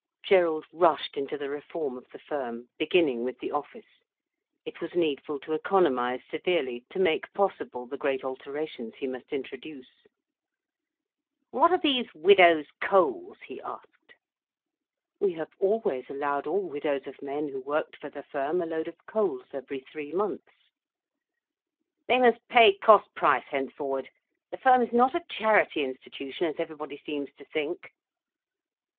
Gerald rushed into the reform of the firm, beginning with the office. It was needful to economise severely, to make possible the great alterations he must introduce. "What are these widows' coals?" he asked. "We have always allowed all widows of men who worked for the firm a load of coals every three months." "They must pay cost price henceforward. The firm is not a charity institution, as everybody seems to think."